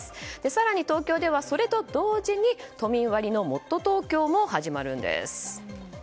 更に、東京ではそれと同時に都民割のもっとＴｏｋｙｏも始まるんです。